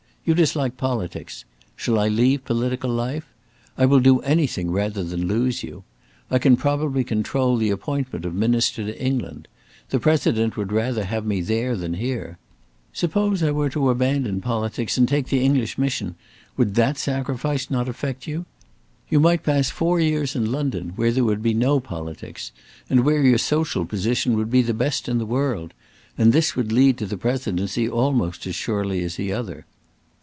You dislike politics. Shall I leave political life? I will do anything rather than lose you. I can probably control the appointment of Minister to England. The President would rather have me there than here. Suppose I were to abandon politics and take the English mission. Would that sacrifice not affect you? You might pass four years in London where there would be no politics, and where your social position would be the best in the world; and this would lead to the Presidency almost as surely as the other."